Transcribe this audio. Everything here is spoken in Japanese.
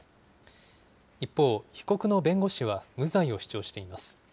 一方、被告の弁護士は無罪を主張しています。